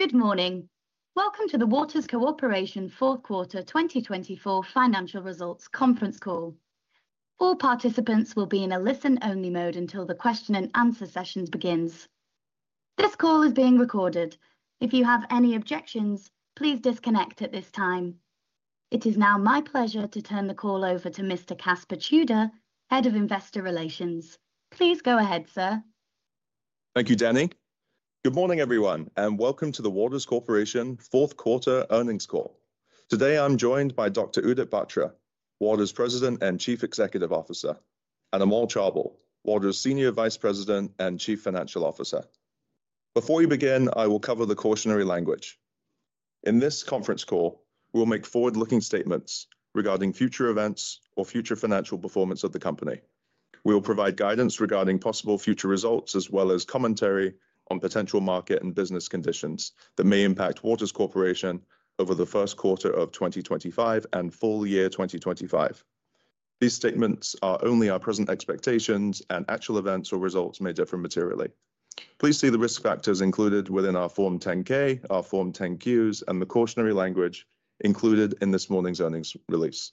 Good morning. Welcome to the Waters Corporation Fourth Quarter 2024 Financial Results Conference Call. All participants will be in a listen-only mode until the question-and-answer session begins. This call is being recorded. If you have any objections, please disconnect at this time. It is now my pleasure to turn the call over to Mr. Caspar Tudor, Head of Investor Relations. Please go ahead, sir. Thank you, Danny. Good morning, everyone, and welcome to the Waters Corporation fourth quarter earnings call. Today I'm joined by Dr. Udit Batra, Waters' President and Chief Executive Officer, and Amol Chaubal, Waters' Senior Vice President and Chief Financial Officer. Before we begin, I will cover the cautionary language. In this conference call, we will make forward-looking statements regarding future events or future financial performance of the company. We will provide guidance regarding possible future results as well as commentary on potential market and business conditions that may impact Waters Corporation over the first quarter of 2025 and full year 2025. These statements are only our present expectations, and actual events or results may differ materially. Please see the risk factors included within our Form 10-K, our Form 10-Qs, and the cautionary language included in this morning's earnings release.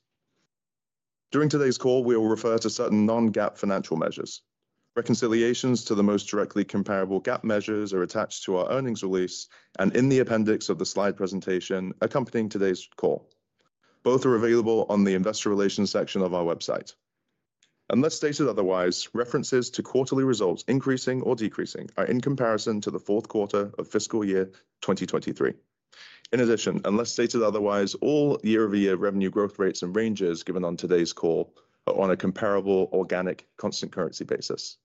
During today's call, we will refer to certain non-GAAP financial measures. Reconciliations to the most directly comparable GAAP measures are attached to our earnings release and in the appendix of the slide presentation accompanying today's call. Both are available on the Investor Relations section of our website. Unless stated otherwise, references to quarterly results increasing or decreasing are in comparison to the fourth quarter of fiscal year 2023. In addition, unless stated otherwise, all year-over-year revenue growth rates and ranges given on today's call are on a comparable organic constant currency basis.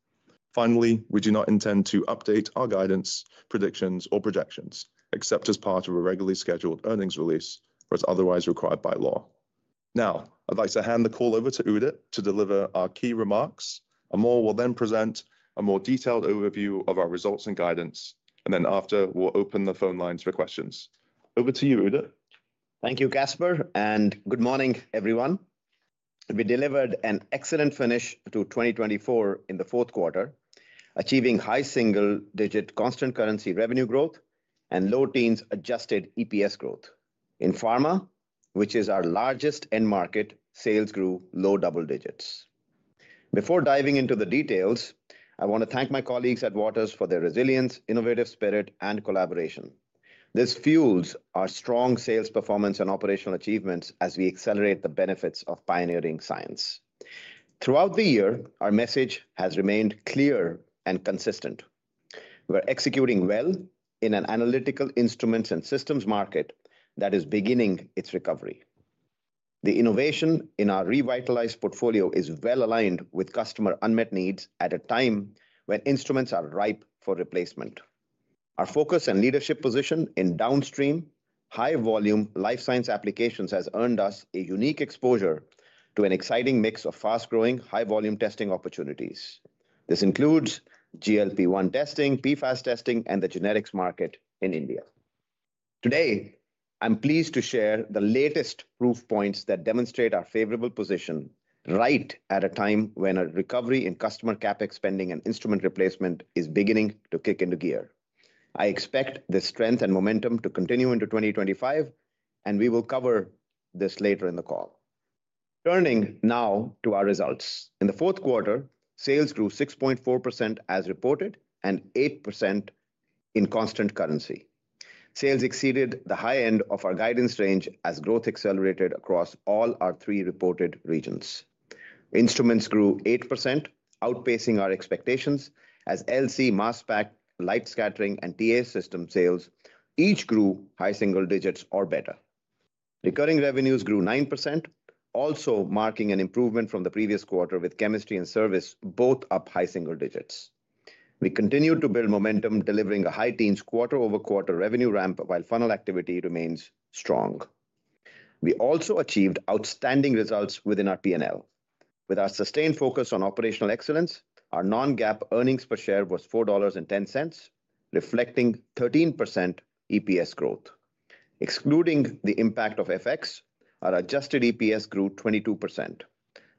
Finally, we do not intend to update our guidance, predictions, or projections except as part of a regularly scheduled earnings release or as otherwise required by law. Now, I'd like to hand the call over to Udit to deliver our key remarks. Amol will then present a more detailed overview of our results and guidance, and then after, we'll open the phone lines for questions. Over to you, Udit. Thank you, Caspar, and good morning, everyone. We delivered an excellent finish to 2024 in the fourth quarter, achieving high single-digit constant currency revenue growth and low-teens adjusted EPS growth. In pharma, which is our largest end market, sales grew low double digits. Before diving into the details, I want to thank my colleagues at Waters for their resilience, innovative spirit, and collaboration. This fuels our strong sales performance and operational achievements as we accelerate the benefits of pioneering science. Throughout the year, our message has remained clear and consistent. We're executing well in an analytical instruments and systems market that is beginning its recovery. The innovation in our revitalized portfolio is well aligned with customer unmet needs at a time when instruments are ripe for replacement. Our focus and leadership position in downstream high-volume life science applications has earned us a unique exposure to an exciting mix of fast-growing high-volume testing opportunities. This includes GLP-1 testing, PFAS testing, and the generics market in India. Today, I'm pleased to share the latest proof points that demonstrate our favorable position right at a time when a recovery in customer CapEx spending and instrument replacement is beginning to kick into gear. I expect this strength and momentum to continue into 2025, and we will cover this later in the call. Turning now to our results. In the fourth quarter, sales grew 6.4% as reported and 8% in constant currency. Sales exceeded the high end of our guidance range as growth accelerated across all our three reported regions. Instruments grew 8%, outpacing our expectations as LC, mass spec, light scattering, and TA system sales each grew high single digits or better. Recurring revenues grew 9%, also marking an improvement from the previous quarter with chemistry and service both up high single digits. We continued to build momentum, delivering a high-teens quarter-over-quarter revenue ramp while funnel activity remains strong. We also achieved outstanding results within our P&L. With our sustained focus on operational excellence, our non-GAAP earnings per share was $4.10, reflecting 13% EPS growth. Excluding the impact of FX, our adjusted EPS grew 22%.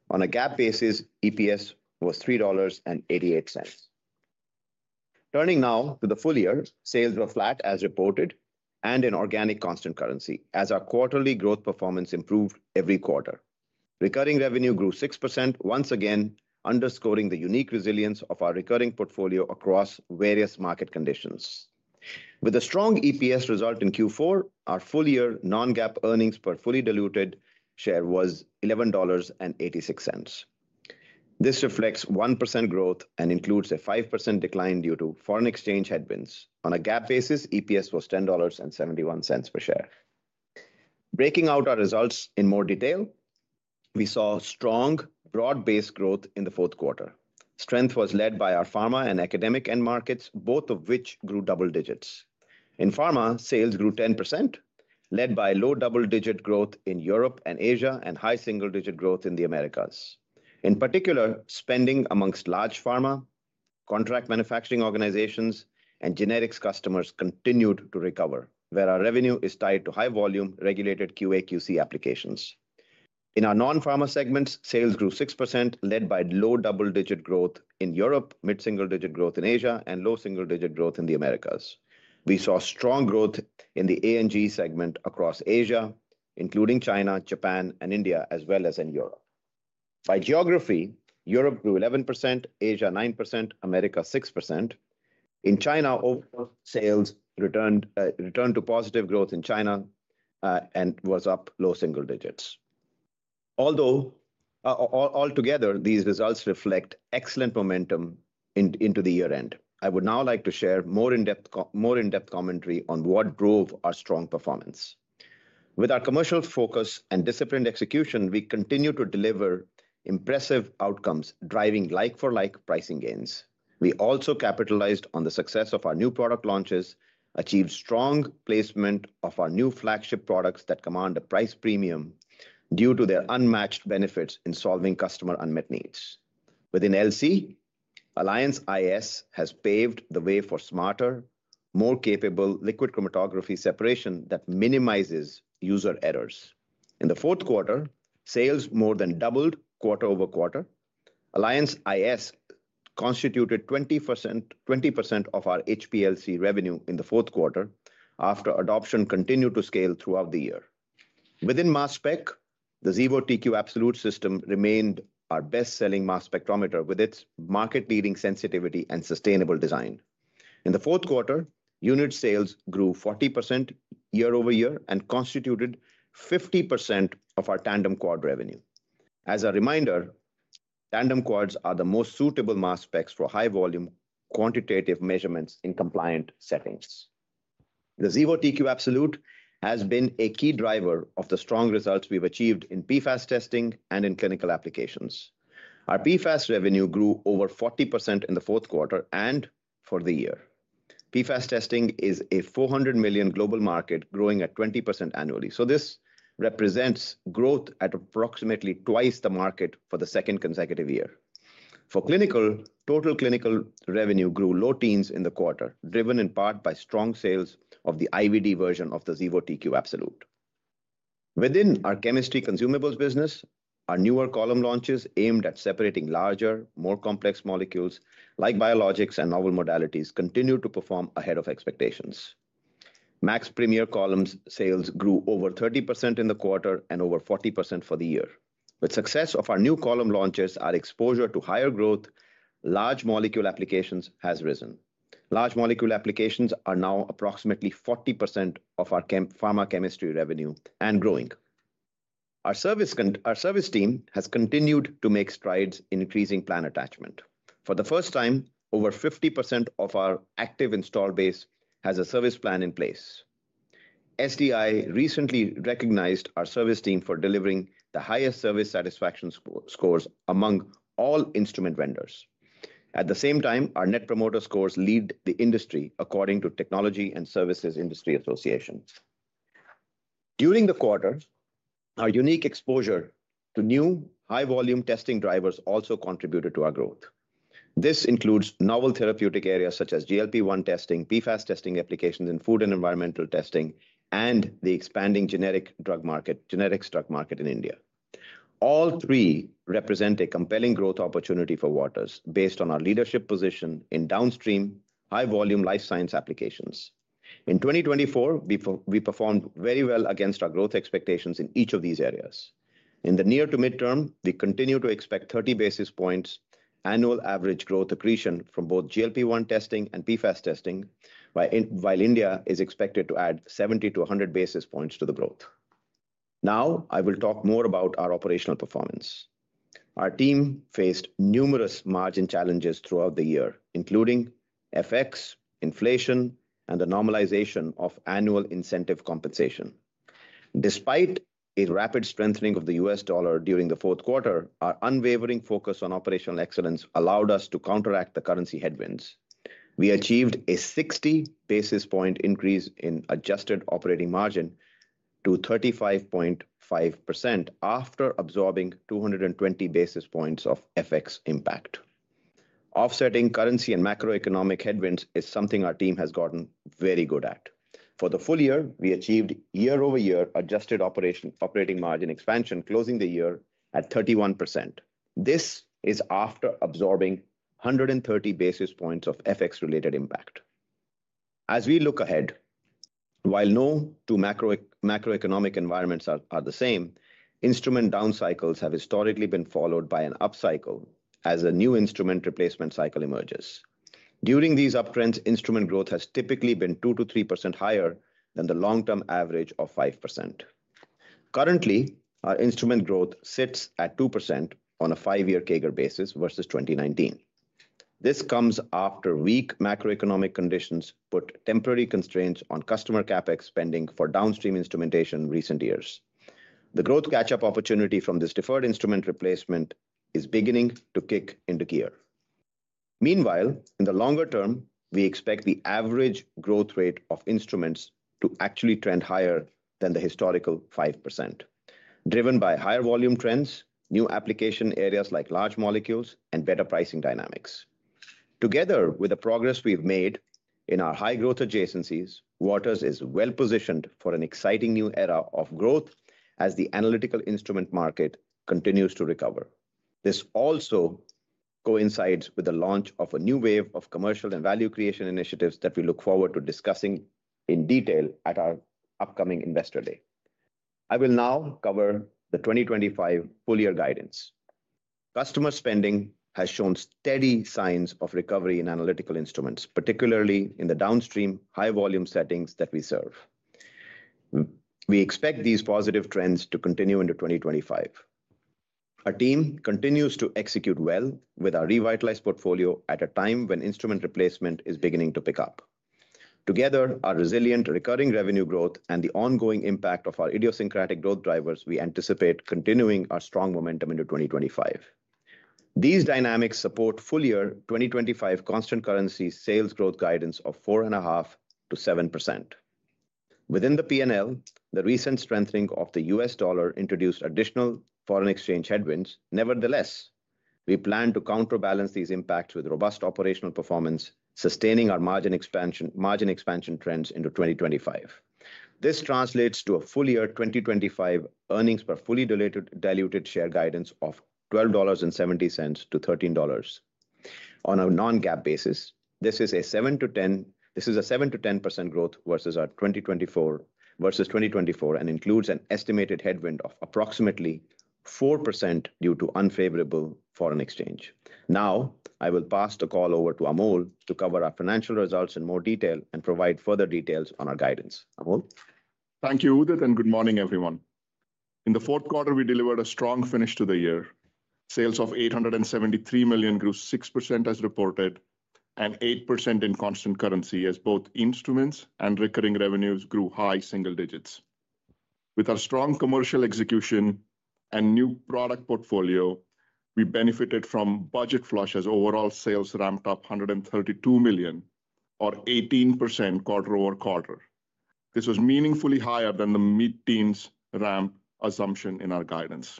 On a GAAP basis, EPS was $3.88. Turning now to the full year, sales were flat as reported and in organic constant currency as our quarterly growth performance improved every quarter. Recurring revenue grew 6% once again, underscoring the unique resilience of our recurring portfolio across various market conditions. With a strong EPS result in Q4, our full year non-GAAP earnings per fully diluted share was $11.86. This reflects 1% growth and includes a 5% decline due to foreign exchange headwinds. On a GAAP basis, EPS was $10.71 per share. Breaking out our results in more detail, we saw strong broad-based growth in the fourth quarter. Strength was led by our pharma and academic end markets, both of which grew double digits. In pharma, sales grew 10%, led by low double-digit growth in Europe and Asia and high single-digit growth in the Americas. In particular, spending amongst large pharma, contract manufacturing organizations, and generics customers continued to recover, where our revenue is tied to high-volume regulated QA/QC applications. In our non-pharma segments, sales grew 6%, led by low double-digit growth in Europe, mid-single-digit growth in Asia, and low single-digit growth in the Americas. We saw strong growth in the A&G segment across Asia, including China, Japan, and India, as well as in Europe. By geography, Europe grew 11%, Asia 9%, Americas 6%. In China, overall sales returned to positive growth in China and was up low single digits. Although altogether, these results reflect excellent momentum into the year end, I would now like to share more in-depth commentary on what drove our strong performance. With our commercial focus and disciplined execution, we continue to deliver impressive outcomes, driving like-for-like pricing gains. We also capitalized on the success of our new product launches, achieved strong placement of our new flagship products that command a price premium due to their unmatched benefits in solving customer unmet needs. Within LC, Alliance iS has paved the way for smarter, more capable liquid chromatography separation that minimizes user errors. In the fourth quarter, sales more than doubled quarter-over-quarter. Alliance iS constituted 20% of our HPLC revenue in the fourth quarter after adoption continued to scale throughout the year. Within mass spec, the Xevo TQ Absolute system remained our best-selling mass spectrometer with its market-leading sensitivity and sustainable design. In the fourth quarter, unit sales grew 40% year-over-year and constituted 50% of our tandem quad revenue. As a reminder, tandem quads are the most suitable mass specs for high-volume quantitative measurements in compliant settings. The Xevo TQ Absolute has been a key driver of the strong results we've achieved in PFAS testing and in clinical applications. Our PFAS revenue grew over 40% in the fourth quarter and for the year. PFAS testing is a $400 million global market growing at 20% annually, so this represents growth at approximately twice the market for the second consecutive year. For clinical, total clinical revenue grew low teens in the quarter, driven in part by strong sales of the IVD version of the Xevo TQ Absolute. Within our chemistry consumables business, our newer column launches aimed at separating larger, more complex molecules like biologics and novel modalities continue to perform ahead of expectations. MaxPeak Premier columns sales grew over 30% in the quarter and over 40% for the year. With success of our new column launches, our exposure to higher growth, large molecule applications has risen. Large molecule applications are now approximately 40% of our pharma chemistry revenue and growing. Our service team has continued to make strides in increasing plan attachment. For the first time, over 50% of our active install base has a service plan in place. SDI recently recognized our service team for delivering the highest service satisfaction scores among all instrument vendors. At the same time, our net promoter scores lead the industry according to Technology and Services Industry Association. During the quarter, our unique exposure to new high-volume testing drivers also contributed to our growth. This includes novel therapeutic areas such as GLP-1 testing, PFAS testing applications in food and environmental testing, and the expanding generic drug market in India. All three represent a compelling growth opportunity for Waters based on our leadership position in downstream high-volume life science applications. In 2024, we performed very well against our growth expectations in each of these areas. In the near to midterm, we continue to expect 30 basis points annual average growth accretion from both GLP-1 testing and PFAS testing, while India is expected to add 70-100 basis points to the growth. Now, I will talk more about our operational performance. Our team faced numerous margin challenges throughout the year, including FX, inflation, and the normalization of annual incentive compensation. Despite a rapid strengthening of the U.S. dollar during the fourth quarter, our unwavering focus on operational excellence allowed us to counteract the currency headwinds. We achieved a 60 basis point increase in adjusted operating margin to 35.5% after absorbing 220 basis points of FX impact. Offsetting currency and macroeconomic headwinds is something our team has gotten very good at. For the full year, we achieved year-over-year adjusted operating margin expansion, closing the year at 31%. This is after absorbing 130 basis points of FX-related impact. As we look ahead, while no two macroeconomic environments are the same, instrument down cycles have historically been followed by an up cycle as a new instrument replacement cycle emerges. During these uptrends, instrument growth has typically been 2%-3% higher than the long-term average of 5%. Currently, our instrument growth sits at 2% on a five-year CAGR basis versus 2019. This comes after weak macroeconomic conditions put temporary constraints on customer CapEx spending for downstream instrumentation in recent years. The growth catch-up opportunity from this deferred instrument replacement is beginning to kick into gear. Meanwhile, in the longer-term, we expect the average growth rate of instruments to actually trend higher than the historical 5%, driven by higher volume trends, new application areas like large molecules, and better pricing dynamics. Together with the progress we've made in our high-growth adjacencies, Waters is well positioned for an exciting new era of growth as the analytical instrument market continues to recover. This also coincides with the launch of a new wave of commercial and value creation initiatives that we look forward to discussing in detail at our upcoming Investor Day. I will now cover the 2025 full year guidance. Customer spending has shown steady signs of recovery in analytical instruments, particularly in the downstream high-volume settings that we serve. We expect these positive trends to continue into 2025. Our team continues to execute well with our revitalized portfolio at a time when instrument replacement is beginning to pick up. Together, our resilient recurring revenue growth and the ongoing impact of our idiosyncratic growth drivers, we anticipate continuing our strong momentum into 2025. These dynamics support full year 2025 constant currency sales growth guidance of 4.5%-7%. Within the P&L, the recent strengthening of the U.S. dollar introduced additional foreign exchange headwinds. Nevertheless, we plan to counterbalance these impacts with robust operational performance, sustaining our margin expansion trends into 2025. This translates to a full year 2025 earnings per fully diluted share guidance of $12.70-$13. On a non-GAAP basis, this is a 7%-10% growth versus our 2024 and includes an estimated headwind of approximately 4% due to unfavorable foreign exchange. Now, I will pass the call over to Amol to cover our financial results in more detail and provide further details on our guidance. Amol. Thank you, Udit, and good morning, everyone. In the fourth quarter, we delivered a strong finish to the year. Sales of $873 million grew 6% as reported and 8% in constant currency as both instruments and recurring revenues grew high single digits. With our strong commercial execution and new product portfolio, we benefited from budget flush as overall sales ramped up $132 million, or 18% quarter-over-quarter. This was meaningfully higher than the mid-teens ramp assumption in our guidance.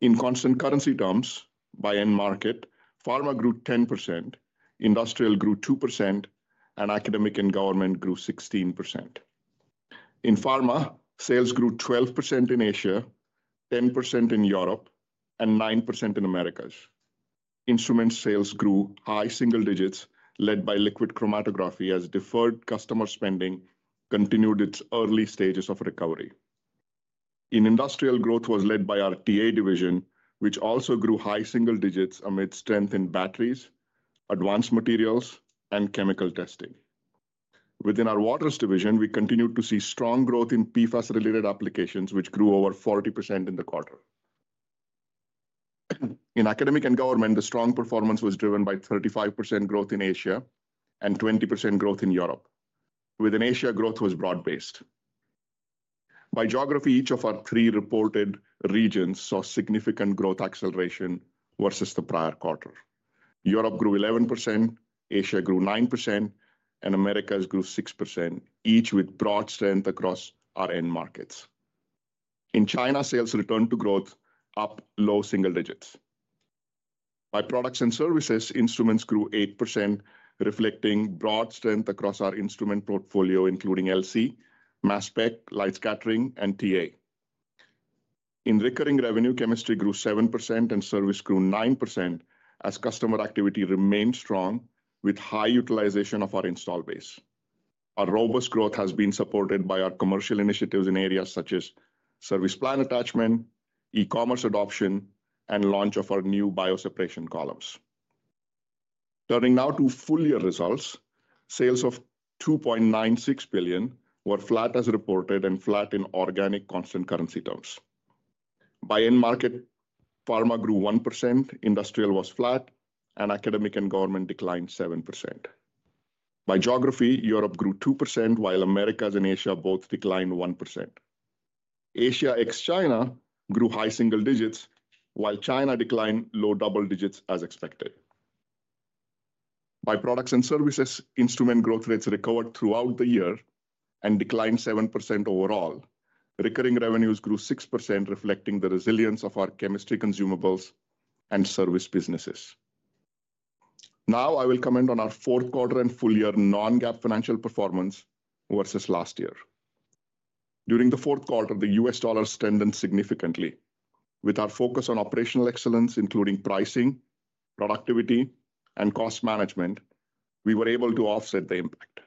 In constant currency terms, by end market, pharma grew 10%, industrial grew 2%, and academic and government grew 16%. In pharma, sales grew 12% in Asia, 10% in Europe, and 9% in Americas. Instruments sales grew high single digits, led by liquid chromatography as deferred customer spending continued its early stages of recovery. In industrial, growth was led by our TA division, which also grew high single digits amid strength in batteries, advanced materials, and chemical testing. Within our Waters division, we continued to see strong growth in PFAS-related applications, which grew over 40% in the quarter. In academic and government, the strong performance was driven by 35% growth in Asia and 20% growth in Europe. Within Asia, growth was broad-based. By geography, each of our three reported regions saw significant growth acceleration versus the prior quarter. Europe grew 11%, Asia grew 9%, and Americas grew 6%, each with broad strength across our end markets. In China, sales returned to growth, up low single digits. By products and services, instruments grew 8%, reflecting broad strength across our instrument portfolio, including LC, mass spec, light scattering, and TA. In recurring revenue, chemistry grew 7% and service grew 9% as customer activity remained strong with high utilization of our install base. Our robust growth has been supported by our commercial initiatives in areas such as service plan attachment, e-commerce adoption, and launch of our new bioseparation columns. Turning now to full year results, sales of $2.96 billion were flat as reported and flat in organic constant currency terms. By end market, pharma grew 1%, industrial was flat, and academic and government declined 7%. By geography, Europe grew 2%, while Americas and Asia both declined 1%. Asia ex-China grew high single digits, while China declined low double digits as expected. By products and services, instrument growth rates recovered throughout the year and declined 7% overall. Recurring revenues grew 6%, reflecting the resilience of our chemistry consumables and service businesses. Now, I will comment on our fourth quarter and full year non-GAAP financial performance versus last year. During the fourth quarter, the U.S. dollar strengthened significantly. With our focus on operational excellence, including pricing, productivity, and cost management, we were able to offset the impact.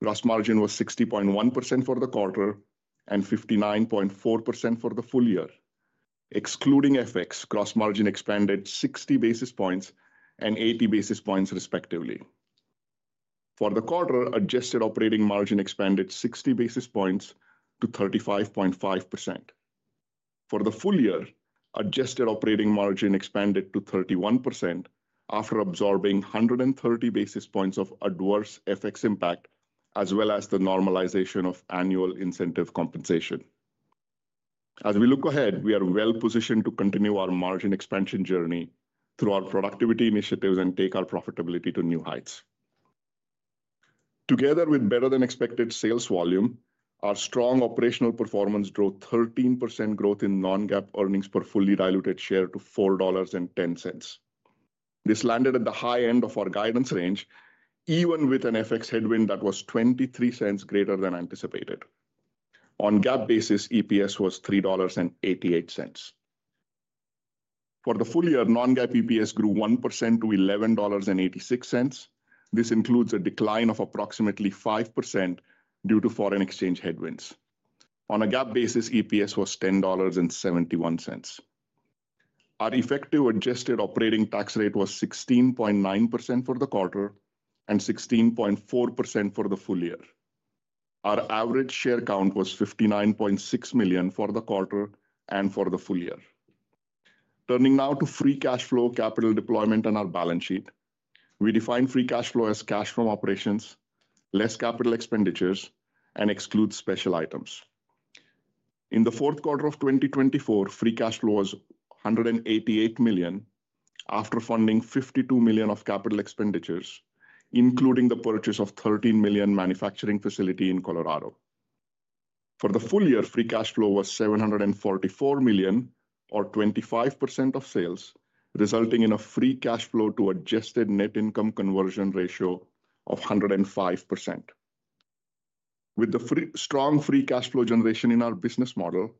Gross margin was 60.1% for the quarter and 59.4% for the full year. Excluding FX, gross margin expanded 60 basis points and 80 basis points respectively. For the quarter, adjusted operating margin expanded 60 basis points to 35.5%. For the full year, adjusted operating margin expanded to 31% after absorbing 130 basis points of adverse FX impact, as well as the normalization of annual incentive compensation. As we look ahead, we are well positioned to continue our margin expansion journey through our productivity initiatives and take our profitability to new heights. Together with better than expected sales volume, our strong operational performance drove 13% growth in non-GAAP earnings per fully diluted share to $4.10. This landed at the high end of our guidance range, even with an FX headwind that was $0.23 greater than anticipated. On GAAP basis, EPS was $3.88. For the full year, non-GAAP EPS grew 1% to $11.86. This includes a decline of approximately 5% due to foreign exchange headwinds. On a GAAP basis, EPS was $10.71. Our effective adjusted operating tax rate was 16.9% for the quarter and 16.4% for the full year. Our average share count was 59.6 million for the quarter and for the full year. Turning now to free cash flow, capital deployment, and our balance sheet, we define free cash flow as cash from operations, less capital expenditures, and excludes special items. In the fourth quarter of 2024, free cash flow was $188 million after funding $52 million of capital expenditures, including the purchase of $13 million manufacturing facility in Colorado. For the full year, free cash flow was $744 million, or 25% of sales, resulting in a free cash flow to adjusted net income conversion ratio of 105%. With the strong free cash flow generation in our business model,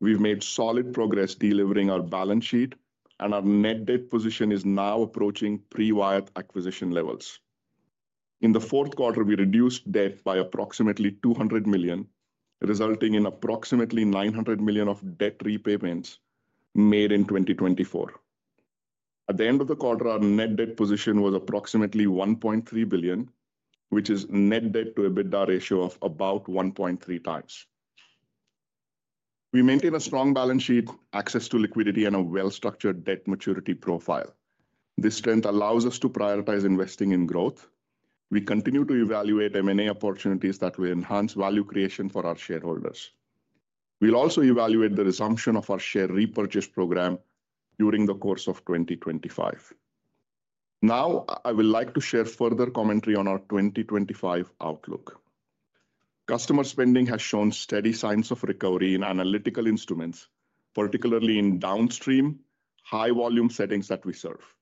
we've made solid progress delivering our balance sheet, and our net debt position is now approaching pre-Wyatt acquisition levels. In the fourth quarter, we reduced debt by approximately $200 million, resulting in approximately $900 million of debt repayments made in 2024. At the end of the quarter, our net debt position was approximately $1.3 billion, which is net debt to EBITDA ratio of about 1.3x. We maintain a strong balance sheet, access to liquidity, and a well-structured debt maturity profile. This strength allows us to prioritize investing in growth. We continue to evaluate M&A opportunities that will enhance value creation for our shareholders. We'll also evaluate the resumption of our share repurchase program during the course of 2025. Now, I would like to share further commentary on our 2025 outlook. Customer spending has shown steady signs of recovery in analytical instruments, particularly in downstream high-volume settings that we serve.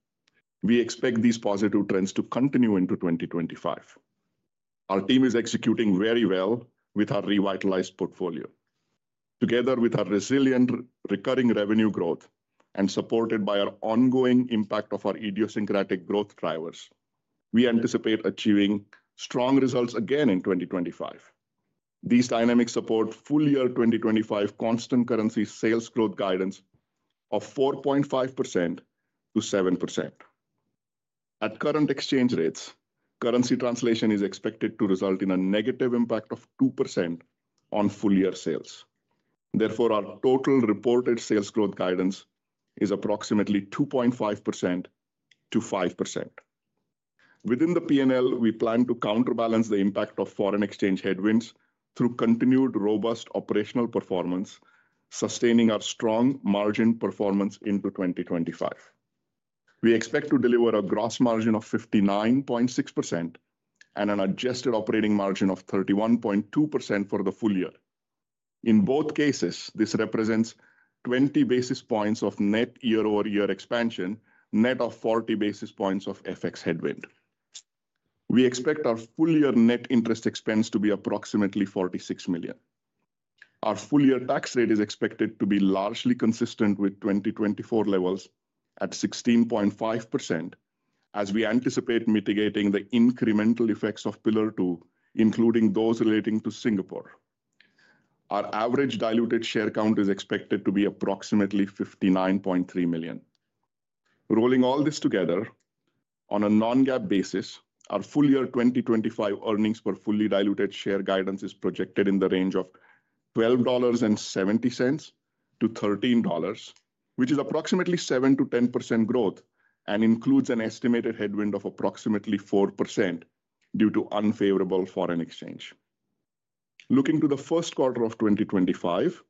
We expect these positive trends to continue into 2025. Our team is executing very well with our revitalized portfolio. Together with our resilient recurring revenue growth and supported by our ongoing impact of our idiosyncratic growth drivers, we anticipate achieving strong results again in 2025. These dynamics support full year 2025 constant currency sales growth guidance of 4.5%-7%. At current exchange rates, currency translation is expected to result in a negative impact of 2% on full year sales. Therefore, our total reported sales growth guidance is approximately 2.5%-5%. Within the P&L, we plan to counterbalance the impact of foreign exchange headwinds through continued robust operational performance, sustaining our strong margin performance into 2025. We expect to deliver a gross margin of 59.6% and an adjusted operating margin of 31.2% for the full year. In both cases, this represents 20 basis points of net year-over-year expansion, net of 40 basis points of FX headwind. We expect our full year net interest expense to be approximately $46 million. Our full year tax rate is expected to be largely consistent with 2024 levels at 16.5%, as we anticipate mitigating the incremental effects of Pillar 2, including those relating to Singapore. Our average diluted share count is expected to be approximately 59.3 million. Rolling all this together, on a Non-GAAP basis, our full year 2025 earnings per fully diluted share guidance is projected in the range of $12.70-$13, which is approximately 7%-10% growth and includes an estimated headwind of approximately 4% due to unfavorable foreign exchange. Looking to the first quarter of 2025,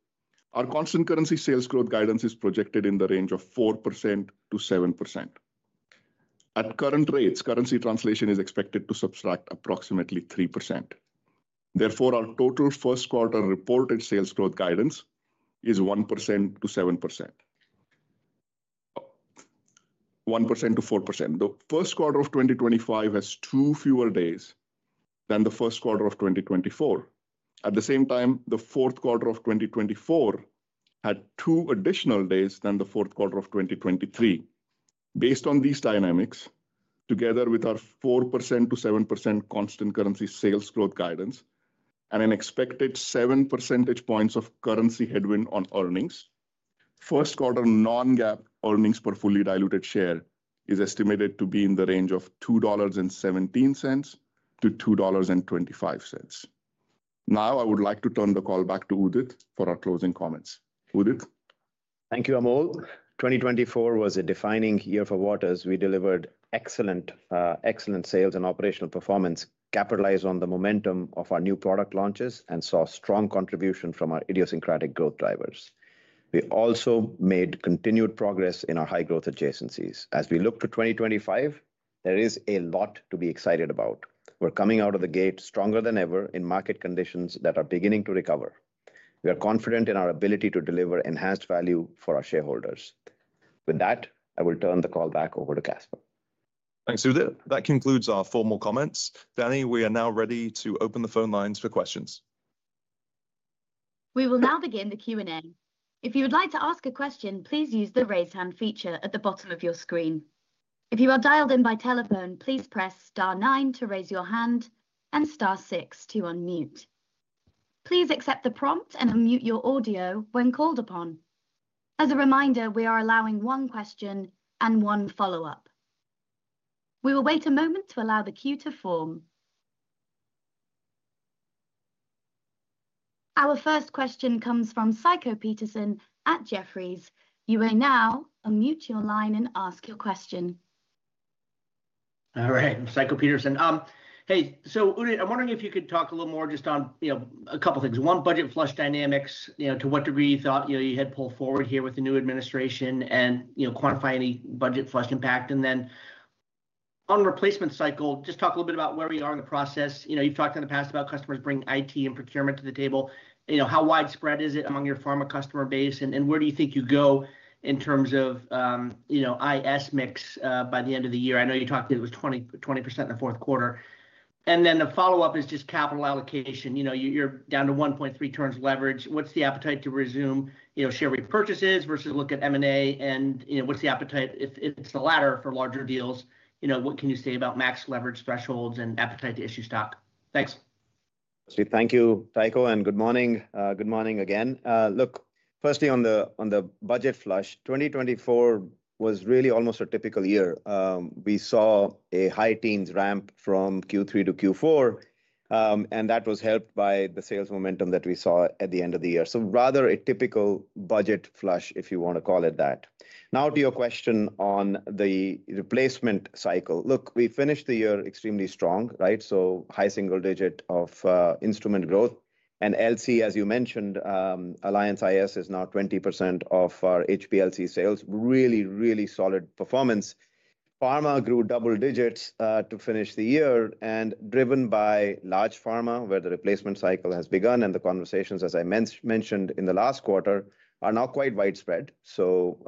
our constant currency sales growth guidance is projected in the range of 4%-7%. At current rates, currency translation is expected to subtract approximately 3%. Therefore, our total first quarter reported sales growth guidance is 1%-4%. The first quarter of 2025 has two fewer days than the first quarter of 2024. At the same time, the fourth quarter of 2024 had two additional days than the fourth quarter of 2023. Based on these dynamics, together with our 4%-7% constant currency sales growth guidance and an expected 7 percentage points of currency headwind on earnings, first quarter non-GAAP earnings per fully diluted share is estimated to be in the range of $2.17-$2.25. Now, I would like to turn the call back to Udit for our closing comments. Udit. Thank you, Amol. 2024 was a defining year for Waters. We delivered excellent sales and operational performance, capitalized on the momentum of our new product launches, and saw strong contribution from our idiosyncratic growth drivers. We also made continued progress in our high-growth adjacencies. As we look to 2025, there is a lot to be excited about. We're coming out of the gate stronger than ever in market conditions that are beginning to recover. We are confident in our ability to deliver enhanced value for our shareholders. With that, I will turn the call back over to Caspar. Thanks, Udit. That concludes our formal comments. Dani, we are now ready to open the phone lines for questions. We will now begin the Q&A. If you would like to ask a question, please use the raise hand feature at the bottom of your screen. If you are dialed in by telephone, please press star nine to raise your hand and star six to unmute. Please accept the prompt and unmute your audio when called upon. As a reminder, we are allowing one question and one follow-up. We will wait a moment to allow the queue to form. Our first question comes from Tycho Peterson at Jefferies. You may now unmute your line and ask your question. All right, Tycho Peterson. Hey, so Udit, I'm wondering if you could talk a little more just on, you know, a couple of things. One, budget flush dynamics, you know, to what degree you thought, you know, you had pulled forward here with the new administration and, you know, quantify any budget flush impact. And then on replacement cycle, just talk a little bit about where we are in the process. You know, you've talked in the past about customers bringing IT and procurement to the table. You know, how widespread is it among your pharma customer base? And where do you think you go in terms of, you know, IS mix by the end of the year? I know you talked that it was 20% in the fourth quarter. And then the follow-up is just capital allocation. You know, you're down to 1.3 turns leverage. What's the appetite to resume, you know, share repurchases versus look at M&A? And, you know, what's the appetite if it's the latter for larger deals? You know, what can you say about max leverage thresholds and appetite to issue stock? Thanks. Thank you, Tscho, and good morning. Good morning again. Look, firstly, on the budget flush, 2024 was really almost a typical year. We saw a high teens ramp from Q3 to Q4, and that was helped by the sales momentum that we saw at the end of the year, so rather a typical budget flush, if you want to call it that. Now, to your question on the replacement cycle, look, we finished the year extremely strong, right, so high single digit of instrument growth, and LC, as you mentioned, Alliance iS is now 20% of our HPLC sales. Really, really solid performance. Pharma grew double digits to finish the year, and driven by large pharma, where the replacement cycle has begun, and the conversations, as I mentioned in the last quarter, are now quite widespread. So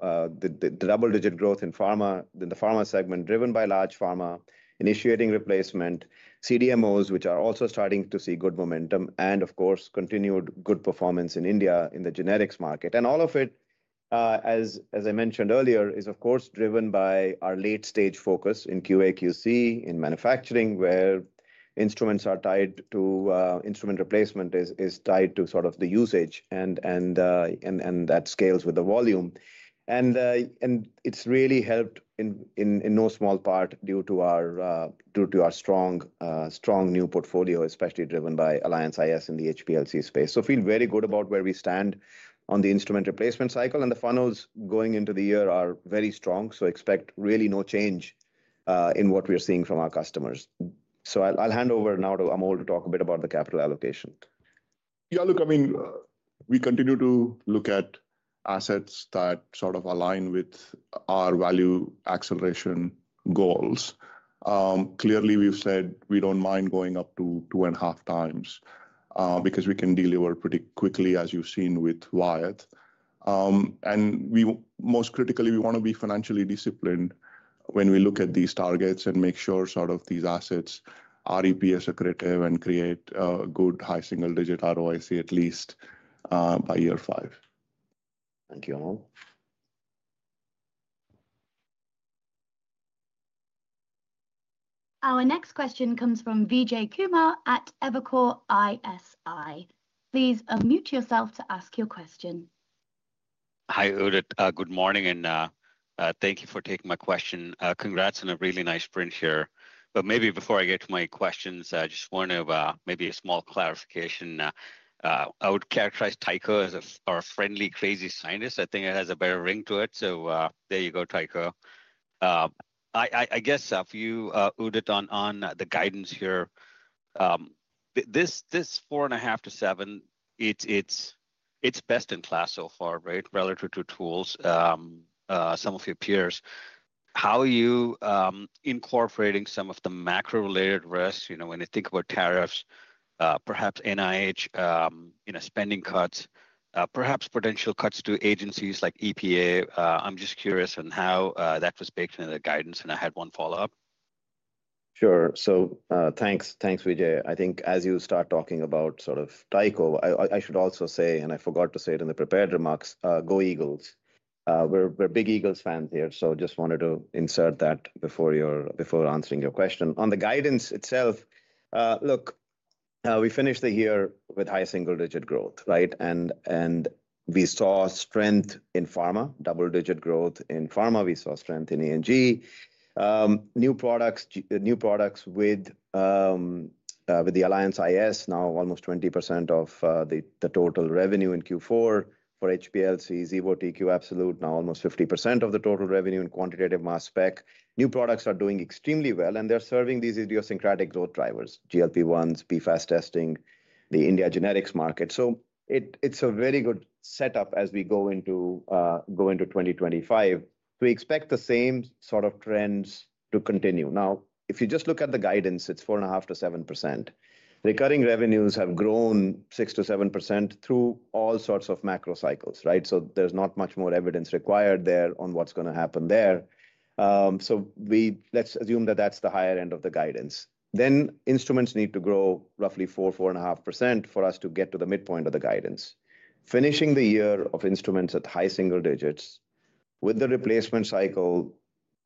the double digit growth in pharma, the pharma segment driven by large pharma initiating replacement, CDMOs, which are also starting to see good momentum, and of course, continued good performance in India in the generics market. And all of it, as I mentioned earlier, is of course driven by our late stage focus in QA/QC in manufacturing, where instruments are tied to instrument replacement is tied to sort of the usage, and that scales with the volume. And it's really helped in no small part due to our strong new portfolio, especially driven by Alliance iS in the HPLC space. So feel very good about where we stand on the instrument replacement cycle, and the funnels going into the year are very strong. So expect really no change in what we're seeing from our customers. So I'll hand over now to Amol to talk a bit about the capital allocation. Yeah, look, I mean, we continue to look at assets that sort of align with our value acceleration goals. Clearly, we've said we don't mind going up to 2.5x because we can deliver pretty quickly, as you've seen with Wyatt. And most critically, we want to be financially disciplined when we look at these targets and make sure sort of these assets are EPS accretive and create a good high single digit ROIC at least by year five. Thank you, Amol. Our next question comes from Vijay Kumar at Evercore ISI. Please unmute yourself to ask your question. Hi, Udit. Good morning, and thank you for taking my question. Congrats on a really nice sprint here. But maybe before I get to my questions, I just want to make a small clarification. I would characterize Tycho as a friendly, crazy scientist. I think it has a better ring to it. So there you go, Tycho. I guess if you, Udit, on the guidance here, this 4.5%-7%, it's best in class so far, right, relative to tools, some of your peers. How are you incorporating some of the macro-related risks? You know, when you think about tariffs, perhaps NIH, you know, spending cuts, perhaps potential cuts to agencies like EPA. I'm just curious on how that was baked into the guidance, and I had one follow-up. Sure. So thanks, thanks, Vijay. I think as you start talking about sort of Tycho, I should also say, and I forgot to say it in the prepared remarks, go Eagles. We're big Eagles fans here, so just wanted to insert that before answering your question. On the guidance itself, look, we finished the year with high single-digit growth, right? And we saw strength in pharma, double-digit growth in pharma. We saw strength in ENG, new products with the Alliance iS, now almost 20% of the total revenue in Q4 for HPLC, Xevo TQ Absolute, now almost 50% of the total revenue in quantitative mass spec. New products are doing extremely well, and they're serving these idiosyncratic growth drivers, GLP-1s, PFAS testing, the India generics market. So it's a very good setup as we go into 2025. We expect the same sort of trends to continue. Now, if you just look at the guidance, it's 4.5%-7%. Recurring revenues have grown 6%-7% through all sorts of macro cycles, right? So there's not much more evidence required there on what's going to happen there. So let's assume that that's the higher end of the guidance. Then instruments need to grow roughly 4%-4.5% for us to get to the midpoint of the guidance. Finishing the year of instruments at high single digits with the replacement cycle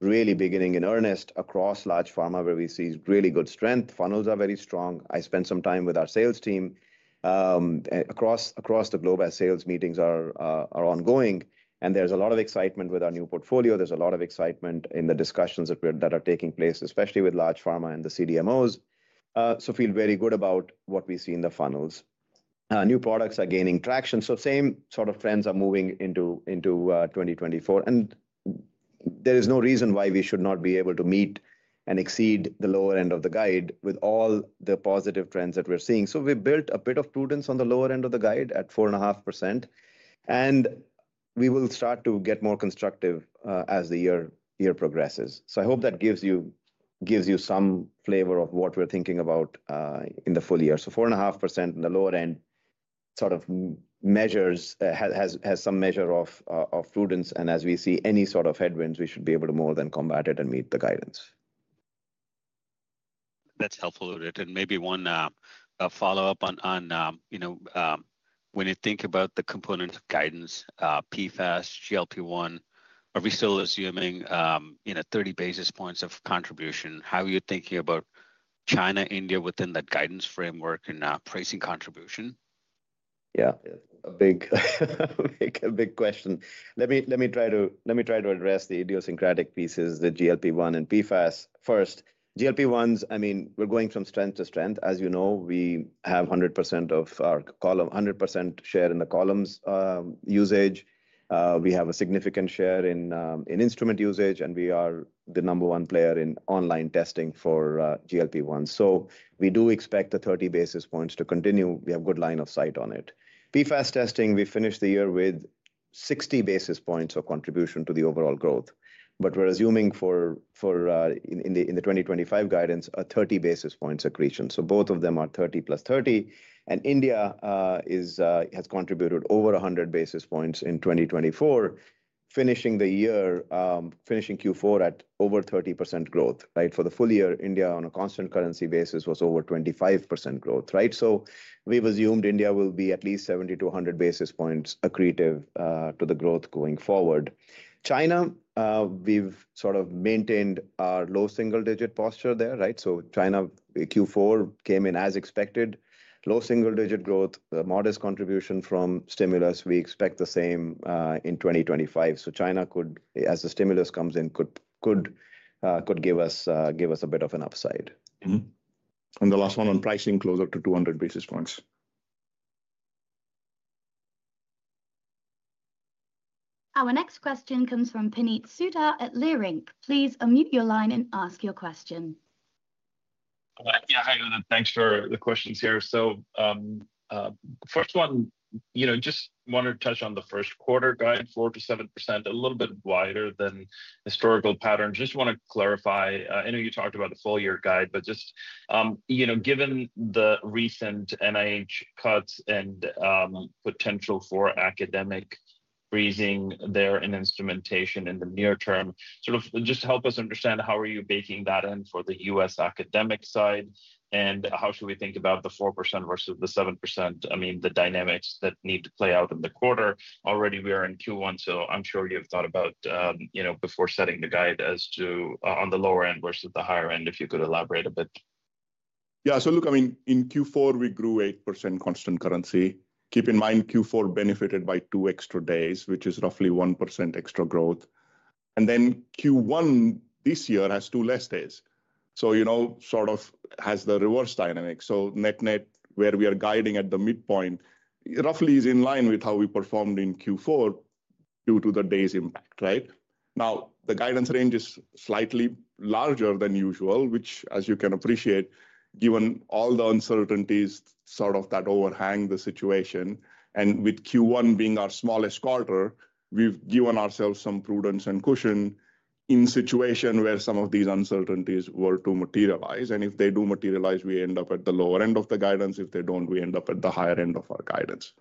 really beginning in earnest across large pharma where we see really good strength. Funnels are very strong. I spent some time with our sales team across the globe as sales meetings are ongoing, and there's a lot of excitement with our new portfolio. There's a lot of excitement in the discussions that are taking place, especially with large pharma and the CDMOs. So feel very good about what we see in the funnels. New products are gaining traction. So same sort of trends are moving into 2024. There is no reason why we should not be able to meet and exceed the lower end of the guide with all the positive trends that we're seeing. We built a bit of prudence on the lower end of the guide at 4.5%. We will start to get more constructive as the year progresses. I hope that gives you some flavor of what we're thinking about in the full year. 4.5% in the lower end sort of measures has some measure of prudence. As we see any sort of headwinds, we should be able to more than combat it and meet the guidance. That's helpful, Udit. Maybe one follow-up on, you know, when you think about the components of guidance, PFAS, GLP-1, are we still assuming 30 basis points of contribution, how are you thinking about China, India within that guidance framework and pricing contribution? Yeah, a big question. Let me try to address the idiosyncratic pieces, the GLP-1 and PFAS. First, GLP-1s, I mean, we're going from strength to strength. As you know, we have 100% of our column, 100% share in the columns usage. We have a significant share in instrument usage, and we are the number one player in online testing for GLP-1. So we do expect the 30 basis points to continue. We have a good line of sight on it. PFAS testing, we finished the year with 60 basis points of contribution to the overall growth. But we're assuming for in the 2025 guidance, a 30 basis points accretion. So both of them are 30+30. India has contributed over 100 basis points in 2024, finishing the year, finishing Q4 at over 30% growth, right? For the full year, India on a constant currency basis was over 25% growth, right? So we've assumed India will be at least 70-100 basis points accretive to the growth going forward. China, we've sort of maintained our low single digit posture there, right? So China, Q4 came in as expected, low single digit growth, modest contribution from stimulus. We expect the same in 2025. So China could, as the stimulus comes in, could give us a bit of an upside. And the last one on pricing, closer to 200 basis points. Our next question comes from Puneet Souda at Leerink Partners. Please unmute your line and ask your question. Yeah, hi, Udit. Thanks for the questions here. So first one, you know, just wanted to touch on the first quarter guide, 4%-7%, a little bit wider than historical patterns. Just want to clarify, I know you talked about the full year guide, but just, you know, given the recent NIH cuts and potential for academic freezing there in instrumentation in the near-term, sort of just help us understand how are you baking that in for the U.S. academic side and how should we think about the 4% versus the 7%? I mean, the dynamics that need to play out in the quarter. Already we are in Q1, so I'm sure you've thought about, you know, before setting the guide as to on the lower end versus the higher end, if you could elaborate a bit. Yeah, so look, I mean, in Q4, we grew 8% constant currency. Keep in mind, Q4 benefited by two extra days, which is roughly 1% extra growth, and then Q1 this year has two less days, so you know, sort of has the reverse dynamic, so net net, where we are guiding at the midpoint, roughly is in line with how we performed in Q4 due to the day's impact, right? Now, the guidance range is slightly larger than usual, which, as you can appreciate, given all the uncertainties sort of that overhang the situation, and with Q1 being our smallest quarter, we've given ourselves some prudence and cushion in situation where some of these uncertainties were to materialize, and if they do materialize, we end up at the lower end of the guidance. If they don't, we end up at the higher end of our guidance,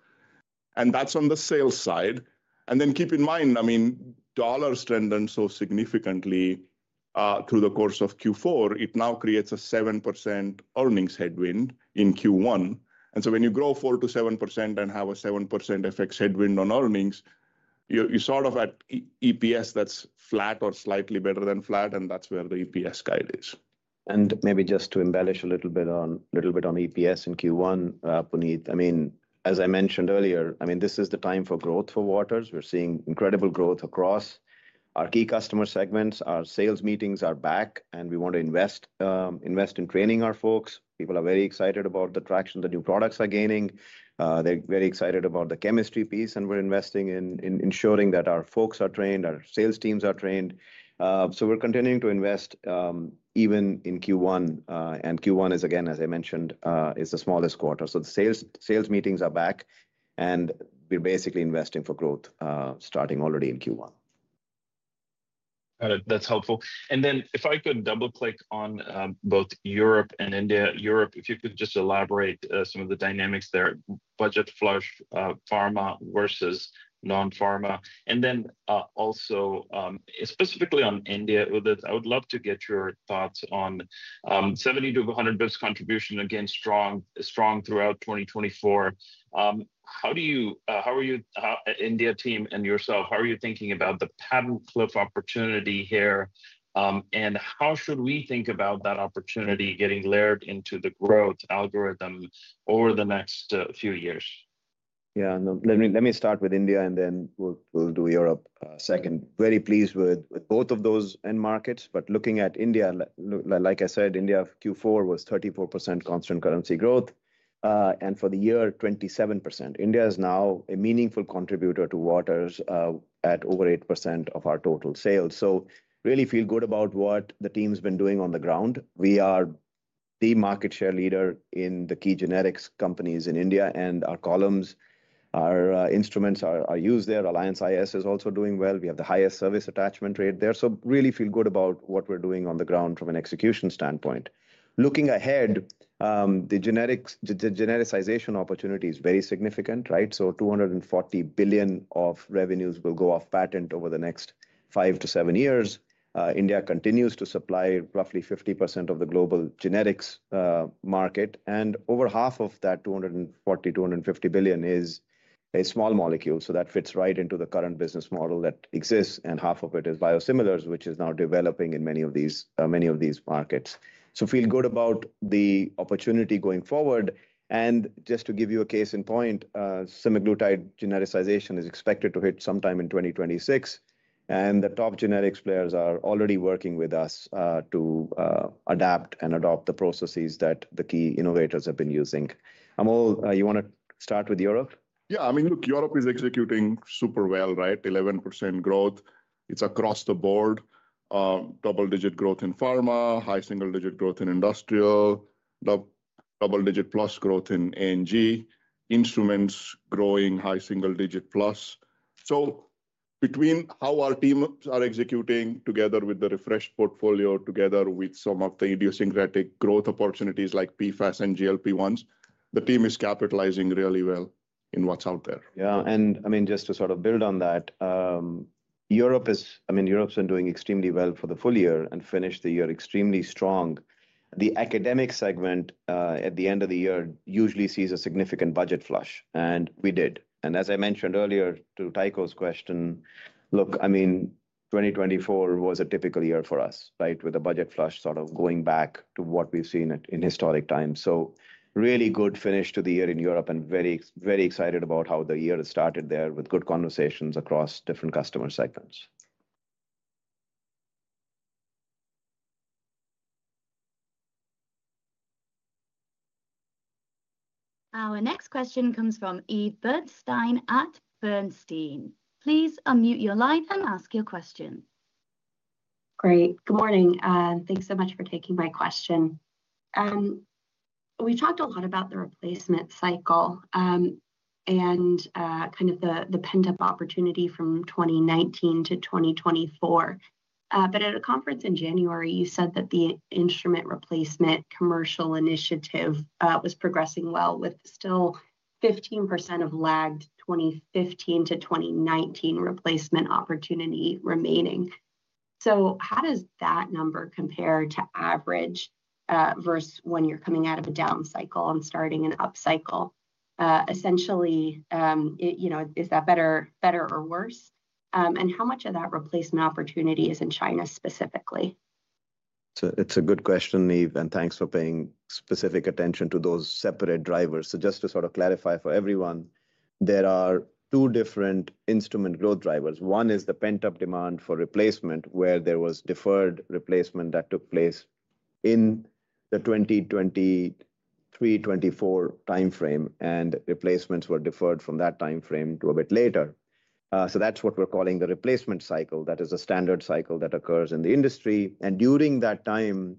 and that's on the sales side. Then keep in mind, I mean, dollars trended so significantly through the course of Q4. It now creates a 7% earnings headwind in Q1. So when you grow 4%-7% and have a 7% FX headwind on earnings, you're sort of at EPS that's flat or slightly better than flat, and that's where the EPS guide is. Maybe just to embellish a little bit on EPS in Q1, Puneet, I mean, as I mentioned earlier, I mean, this is the time for growth for Waters. We're seeing incredible growth across our key customer segments. Our sales meetings are back, and we want to invest in training our folks. People are very excited about the traction the new products are gaining. They're very excited about the chemistry piece, and we're investing in ensuring that our folks are trained, our sales teams are trained. So we're continuing to invest even in Q1. And Q1 is, again, as I mentioned, is the smallest quarter. So the sales meetings are back, and we're basically investing for growth starting already in Q1. Got it. That's helpful. And then if I could double click on both Europe and India, Europe, if you could just elaborate some of the dynamics there, budget flush, pharma versus non-pharma. And then also specifically on India, Udit, I would love to get your thoughts on 70-100 basis points contribution, again, strong throughout 2024. How do you, how are you, India team and yourself, how are you thinking about the patent cliff opportunity here? And how should we think about that opportunity getting layered into the growth algorithm over the next few years? Yeah, let me start with India, and then we'll do Europe second. Very pleased with both of those end markets. But looking at India, like I said, India Q4 was 34% constant currency growth. And for the year, 27%. India is now a meaningful contributor to Waters at over 8% of our total sales. So really feel good about what the team's been doing on the ground. We are the market share leader in the key generics companies in India, and our columns, our instruments are used there. Alliance iS is also doing well. We have the highest service attachment rate there. So really feel good about what we're doing on the ground from an execution standpoint. Looking ahead, the genericization opportunity is very significant, right? So $240 billion-$250 billion of revenues will go off patent over the next five to seven years. India continues to supply roughly 50% of the global generics market. And over half of that $240 billion-$250 billion is a small molecule. So that fits right into the current business model that exists. And half of it is biosimilars, which is now developing in many of these markets. So feel good about the opportunity going forward. And just to give you a case in point, Semaglutide genericization is expected to hit sometime in 2026. And the top generics players are already working with us to adapt and adopt the processes that the key innovators have been using. Amol, you want to start with Europe? Yeah, I mean, look, Europe is executing super well, right? 11% growth. It's across the board. Double digit growth in pharma, high single digit growth in industrial, double digit plus growth in A&G, instruments growing high single digit plus. So between how our teams are executing together with the refreshed portfolio, together with some of the idiosyncratic growth opportunities like PFAS and GLP-1s, the team is capitalizing really well in what's out there. Yeah. And I mean, just to sort of build on that, I mean, Europe's been doing extremely well for the full year and finished the year extremely strong. The academic segment at the end of the year usually sees a significant budget flush and we did. And as I mentioned earlier to Tycho's question, look, I mean, 2024 was a typical year for us, right, with a budget flush sort of going back to what we've seen in historic times. So really good finish to the year in Europe and very, very excited about how the year has started there with good conversations across different customer segments. Our next question comes from Eve Burstein at Bernstein. Please unmute your line and ask your question. Great. Good morning. Thanks so much for taking my question. We've talked a lot about the replacement cycle and kind of the pent-up opportunity from 2019 to 2024. But at a conference in January, you said that the instrument replacement commercial initiative was progressing well with still 15% of lagged 2015 to 2019 replacement opportunity remaining. So how does that number compare to average versus when you're coming out of a down cycle and starting an up cycle? Essentially, is that better or worse? And how much of that replacement opportunity is in China specifically? It's a good question, Eve and thanks for paying specific attention to those separate drivers. So just to sort of clarify for everyone, there are two different instrument growth drivers. One is the pent-up demand for replacement where there was deferred replacement that took place in the 2023-2024 timeframe, and replacements were deferred from that timeframe to a bit later. So that's what we're calling the replacement cycle. That is a standard cycle that occurs in the industry. And during that time,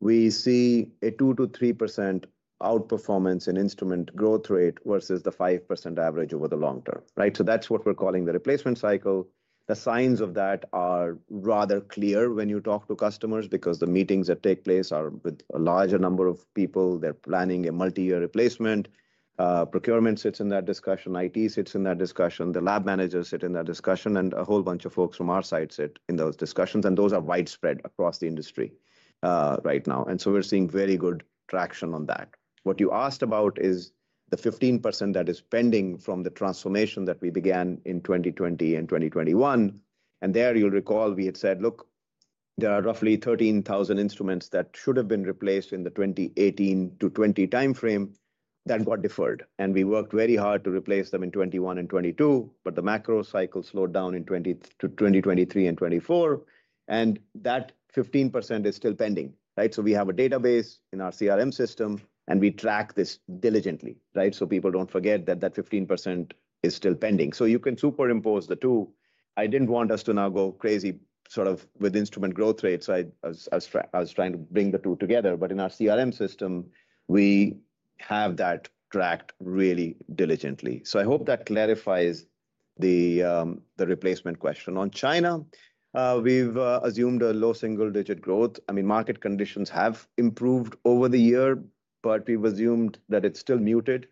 we see a 2%-3% outperformance in instrument growth rate versus the 5% average over the long-term, right? So that's what we're calling the replacement cycle. The signs of that are rather clear when you talk to customers because the meetings that take place are with a larger number of people. They're planning a multi-year replacement. Procurement sits in that discussion. IT sits in that discussion. The lab managers sit in that discussion. And a whole bunch of folks from our side sit in those discussions. And those are widespread across the industry right now. And so we're seeing very good traction on that. What you asked about is the 15% that is pending from the transformation that we began in 2020 and 2021. And there, you'll recall we had said, look, there are roughly 13,000 instruments that should have been replaced in the 2018 to 2020 timeframe that got deferred. And we worked very hard to replace them in 2021 and 2022, but the macro cycle slowed down in 2023 and 2024. And that 15% is still pending, right? So we have a database in our CRM system, and we track this diligently, right? So people don't forget that that 15% is still pending. So you can superimpose the two. I didn't want us to now go crazy sort of with instrument growth rates. I was trying to bring the two together. But in our CRM system, we have that tracked really diligently. I hope that clarifies the replacement question. On China, we've assumed a low single digit growth. I mean, market conditions have improved over the year, but we've assumed that it's still muted.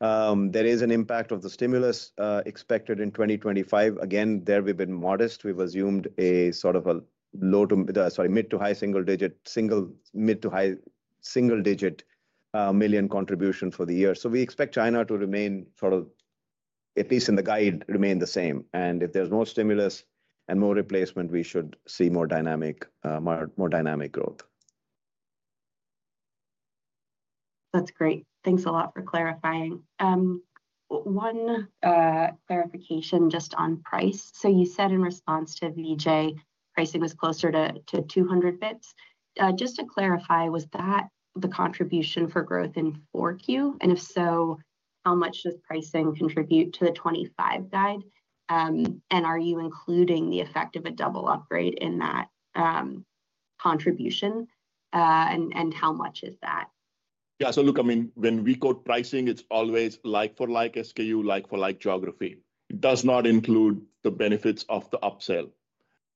There is an impact of the stimulus expected in 2025. Again, there we've been modest. We've assumed a sort of a, sorry, mid to high single digit million contribution for the year. So we expect China to remain sort of, at least in the guide, the same. And if there's more stimulus and more replacement, we should see more dynamic growth. That's great. Thanks a lot for clarifying. One clarification just on price. You said in response to Vijay, pricing was closer to 200 basis points. Just to clarify, was that the contribution for growth in 4Q? And if so, how much does pricing contribute to the 25 guide? And are you including the effect of a double upgrade in that contribution? And how much is that? Yeah. So look, I mean, when we code pricing, it's always like-for-like SKU, like-for-like geography. It does not include the benefits of the upsell.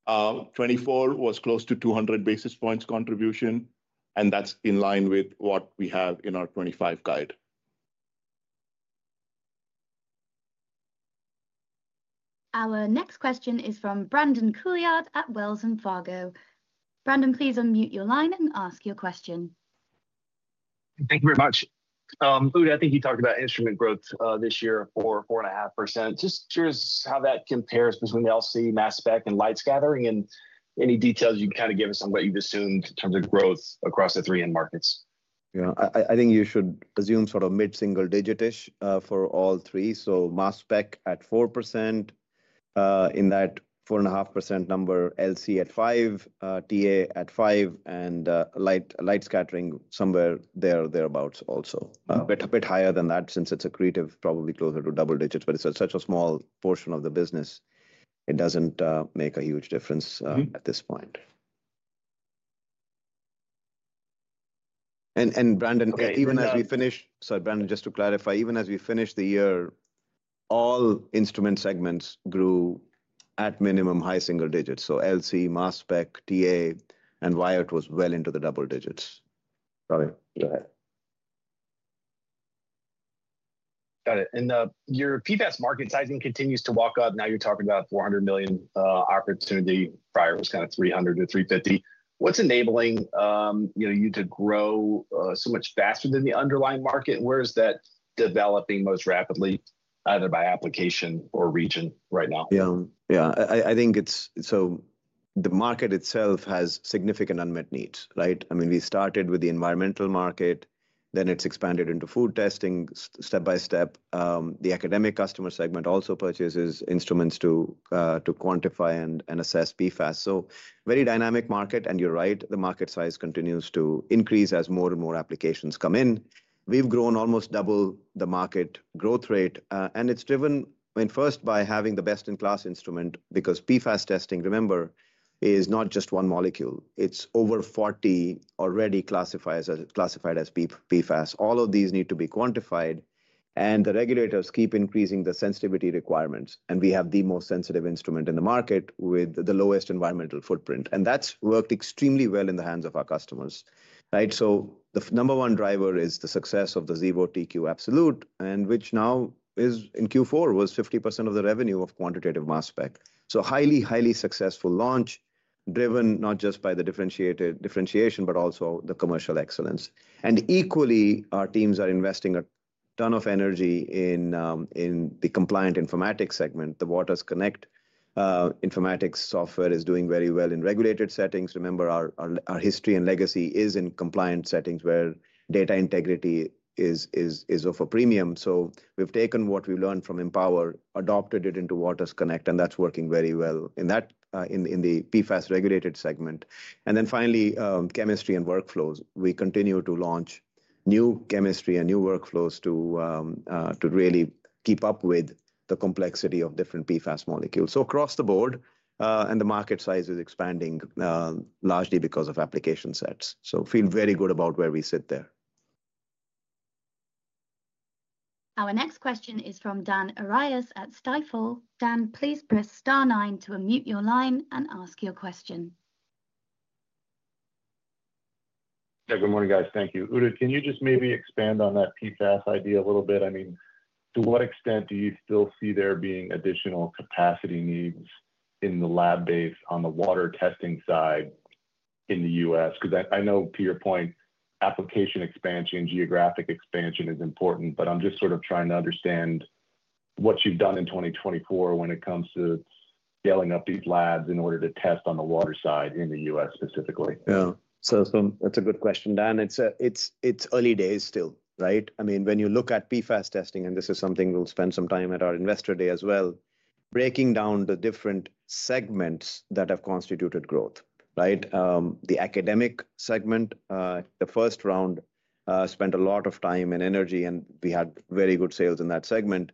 2024 was close to 200 basis points contribution, and that's in line with what we have in our 2025 guide. Our next question is from Brandon Couillard at Wells Fargo. Brandon, please unmute your line and ask your question. Thank you very much. Udit, I think you talked about instrument growth this year for 4.5%. Just curious how that compares between the LC, Mass Spec, and Light Scattering. And any details you can kind of give us on what you've assumed in terms of growth across the three end markets? Yeah, I think you should assume sort of mid-single digit-ish for all three. So Mass Spec at 4%, in that 4.5% number, LC at 5%, TA at 5%, and Light Scattering somewhere there, thereabouts also. A bit higher than that since it's smaller, probably closer to double digits. But it's such a small portion of the business. It doesn't make a huge difference at this point. And Brandon, even as we finish, sorry, Brandon, just to clarify, even as we finish the year, all instrument segments grew at minimum high single digits. So LC, Mass Spec, TA, and Wyatt was well into the double digits. Sorry, go ahead. Got it. And your PFAS market sizing continues to walk up. Now you're talking about $400 million opportunity. Prior it was kind of $300 million to $350 million. What's enabling you to grow so much faster than the underlying market? Where is that developing most rapidly, either by application or region right now? Yeah, yeah. I think it's so the market itself has significant unmet needs, right? I mean, we started with the environmental market, then it's expanded into food testing step by step. The academic customer segment also purchases instruments to quantify and assess PFAS. So very dynamic market. And you're right, the market size continues to increase as more and more applications come in. We've grown almost double the market growth rate. And it's driven first by having the best-in-class instrument because PFAS testing, remember, is not just one molecule. It's over 40 already classified as PFAS. All of these need to be quantified. And the regulators keep increasing the sensitivity requirements. And we have the most sensitive instrument in the market with the lowest environmental footprint. And that's worked extremely well in the hands of our customers, right? So the number one driver is the success of the Xevo TQ Absolute, which now is in Q4 was 50% of the revenue of quantitative Mass Spec. So highly, highly successful launch driven not just by the differentiation, but also the commercial excellence. And equally, our teams are investing a ton of energy in the compliant informatics segment. The Waters Connect informatics software is doing very well in regulated settings. Remember, our history and legacy is in compliant settings where data integrity is of a premium. So we've taken what we've learned from Empower, adopted it into Waters Connect, and that's working very well in the PFAS regulated segment. And then finally, chemistry and workflows. We continue to launch new chemistry and new workflows to really keep up with the complexity of different PFAS molecules. So, across the board, and the market size is expanding largely because of application sets. So, feel very good about where we sit there. Our next question is from Dan Arias at Stifel. Dan, please press star nine to unmute your line and ask your question. Yeah, good morning, guys. Thank you. Udit, can you just maybe expand on that PFAS idea a little bit? I mean, to what extent do you still see there being additional capacity needs in the lab base on the water testing side in the U.S.? Because I know, to your point, application expansion, geographic expansion is important, but I'm just sort of trying to understand what you've done in 2024 when it comes to scaling up these labs in order to test on the water side in the U.S. specifically. Yeah. So, that's a good question, Dan. It's early days still, right? I mean, when you look at PFAS testing, and this is something we'll spend some time at our investor day as well, breaking down the different segments that have constituted growth, right? The academic segment. The first round spent a lot of time and energy, and we had very good sales in that segment,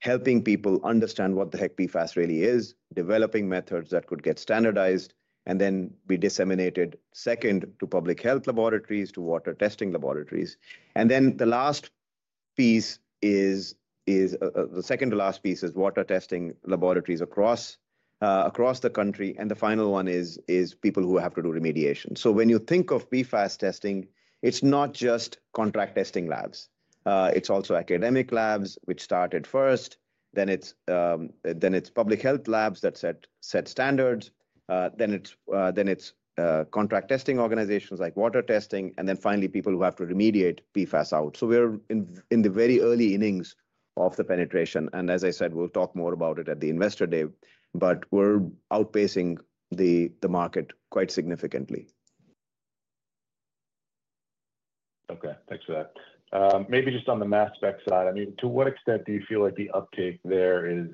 helping people understand what the heck PFAS really is, developing methods that could get standardized, and then be disseminated to public health laboratories, to water testing laboratories. And then the second to last piece is water testing laboratories across the country and the final one is people who have to do remediation. So when you think of PFAS testing, it's not just contract testing labs. It's also academic labs, which started first. Then it's public health labs that set standards. Then it's contract testing organizations like water testing, and then finally, people who have to remediate PFAS out. So we're in the very early innings of the penetration. And as I said, we'll talk more about it at the investor day, but we're outpacing the market quite significantly. Okay. Thanks for that. Maybe just on the Mass Spec side, I mean, to what extent do you feel like the uptake there is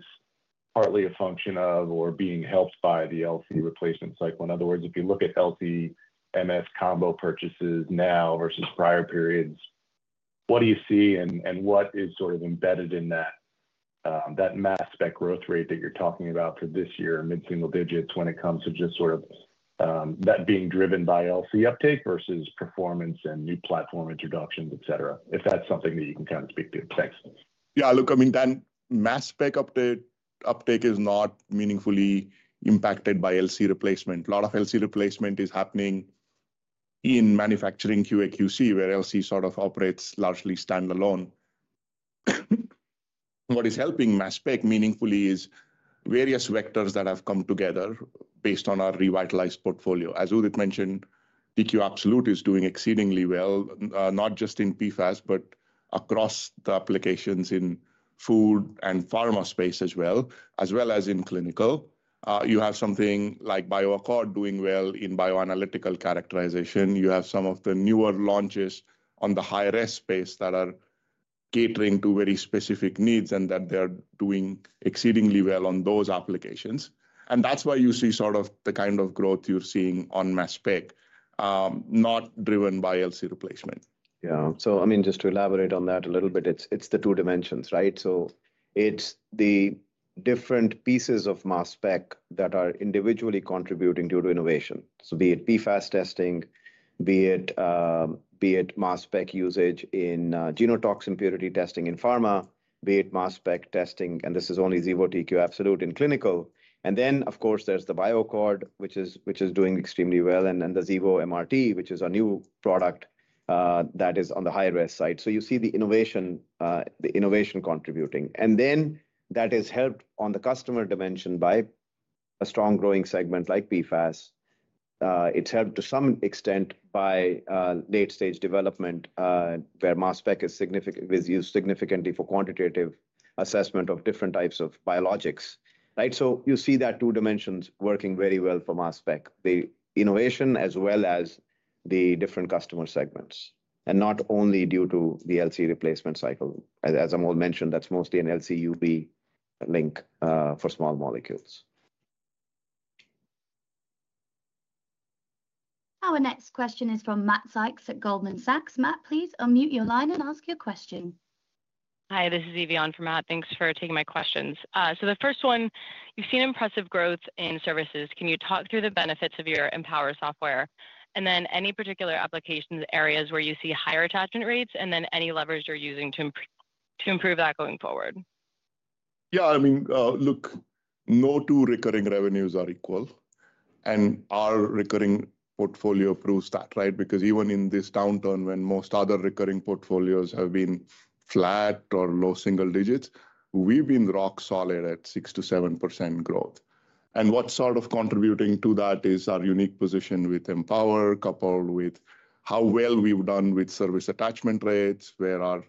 partly a function of or being helped by the LC replacement cycle? In other words, if you look at LC-MS combo purchases now versus prior periods, what do you see and what is sort of embedded in that Mass Spec growth rate that you're talking about for this year, mid-single digits, when it comes to just sort of that being driven by LC uptake versus performance and new platform introductions, etc., if that's something that you can kind of speak to? Thanks. Yeah. Look, I mean, that Mass Spec uptake is not meaningfully impacted by LC replacement. A lot of LC replacement is happening in manufacturing QA/QC, where LC sort of operates largely standalone. What is helping Mass Spec meaningfully is various vectors that have come together based on our revitalized portfolio. As Udit mentioned, TQ Absolute is doing exceedingly well, not just in PFAS, but across the applications in food and pharma space as well, as well as in clinical. You have something like BioAccord doing well in bioanalytical characterization. You have some of the newer launches on the high-res space that are catering to very specific needs and that they're doing exceedingly well on those applications. And that's why you see sort of the kind of growth you're seeing on Mass Spec, not driven by LC replacement. Yeah. So I mean, just to elaborate on that a little bit, it's the two dimensions, right? So it's the different pieces of Mass Spec that are individually contributing due to innovation. So be it PFAS testing, be it Mass Spec usage in Genotox impurity testing in pharma, be it Mass Spec testing, and this is only Xevo TQ Absolute in clinical. And then, of course, there's the BioAccord, which is doing extremely well, and then the Xevo MRT, which is a new product that is on the high-res side. You see the innovation contributing. And then that is helped on the customer dimension by a strong growing segment like PFAS. It's helped to some extent by late-stage development, where Mass Spec is used significantly for quantitative assessment of different types of biologics, right? So you see that two dimensions working very well for Mass Spec, the innovation as well as the different customer segments, and not only due to the LC replacement cycle. As Amol mentioned, that's mostly an LC-MS link for small molecules. Our next question is from Matt Sykes at Goldman Sachs. Matt, please unmute your line and ask your question. Hi, this is Evian from Matt. Thanks for taking my questions. So the first one, you've seen impressive growth in services. Can you talk through the benefits of your Empower software? And then any particular application areas where you see higher attachment rates and then any levers you're using to improve that going forward? Yeah. I mean, look, no two recurring revenues are equal. And our recurring portfolio proves that, right? Because even in this downturn when most other recurring portfolios have been flat or low single digits, we've been rock solid at 6%-7% growth. And what's sort of contributing to that is our unique position with Empower, coupled with how well we've done with service attachment rates, where our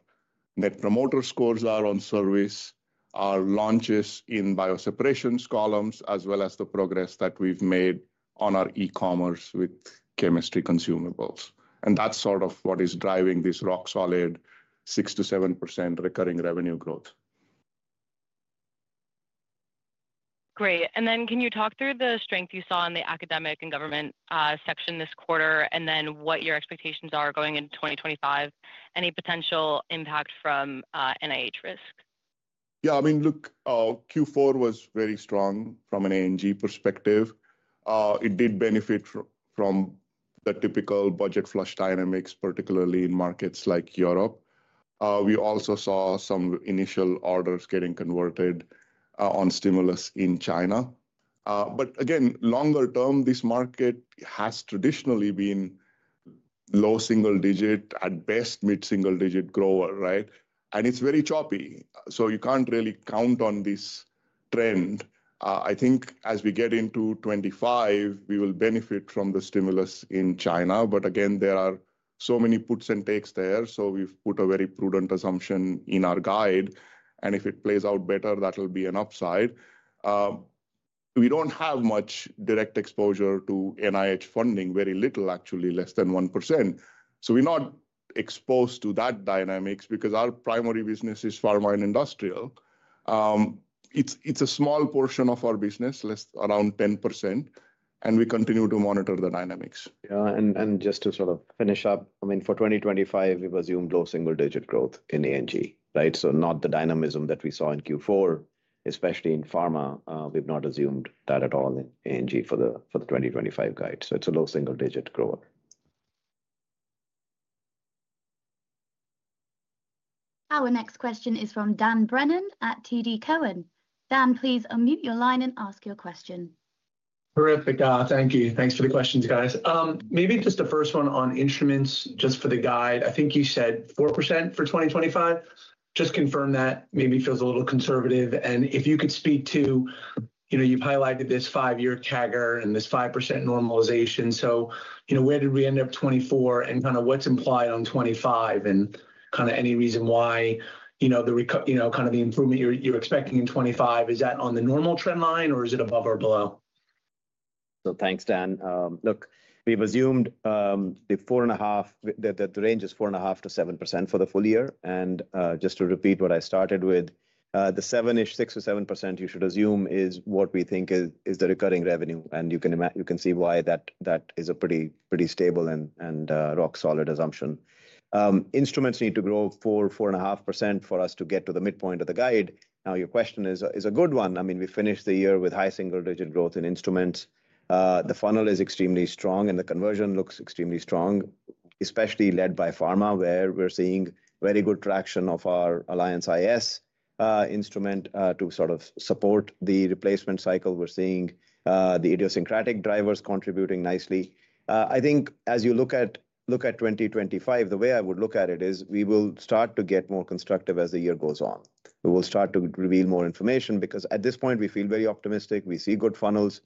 net promoter scores are on service, our launches in bioseparations columns, as well as the progress that we've made on our e-commerce with chemistry consumables. And that's sort of what is driving this rock solid 6%-7% recurring revenue growth. Great. And then, can you talk through the strength you saw in the academic and government section this quarter, and then what your expectations are going into 2025? Any potential impact from NIH risk? Yeah. I mean, look, Q4 was very strong from an A&G perspective. It did benefit from the typical budget flush dynamics, particularly in markets like Europe. We also saw some initial orders getting converted on stimulus in China. But again, longer-term, this market has traditionally been low single digit, at best mid-single digit grower, right? And it's very choppy. So you can't really count on this trend. I think as we get into 2025, we will benefit from the stimulus in China. But again, there are so many puts and takes there. So we've put a very prudent assumption in our guide. And if it plays out better, that'll be an upside. We don't have much direct exposure to NIH funding, very little, actually, less than 1%. So we're not exposed to that dynamics because our primary business is pharma and industrial. It's a small portion of our business, less around 10%, and we continue to monitor the dynamics. Yeah, and just to sort of finish up, I mean, for 2025, we've assumed low single digit growth in A&G, right, so not the dynamism that we saw in Q4, especially in pharma. We've not assumed that at all in A&G for the 2025 guide, so it's a low single digit grower. Our next question is from Dan Brennan at TD Cowen. Dan, please unmute your line and ask your question. Terrific. Thank you. Thanks for the questions, guys. Maybe just the first one on instruments, just for the guide. I think you said 4% for 2025. Just confirm that. Maybe it feels a little conservative. And if you could speak to, you've highlighted this five-year CAGR and this 5% normalization. So where did we end up in 2024 and kind of what's implied for 2025 and kind of any reason why the kind of the improvement you're expecting in 2025, is that on the normal trend line or is it above or below? So thanks, Dan. Look, we've assumed 4.5%. The range is 4.5%-7% for the full year. And just to repeat what I started with, the 7%-ish, 6%-7% you should assume is what we think is the recurring revenue. And you can see why that is a pretty stable and rock solid assumption. Instruments need to grow 4.5% for us to get to the midpoint of the guide. Now, your question is a good one. I mean, we finished the year with high single-digit growth in instruments. The funnel is extremely strong and the conversion looks extremely strong, especially led by pharma, where we're seeing very good traction of our Alliance iS instrument to sort of support the replacement cycle. We're seeing the idiosyncratic drivers contributing nicely. I think as you look at 2025, the way I would look at it is we will start to get more constructive as the year goes on. We will start to reveal more information because at this point, we feel very optimistic. We see good funnels.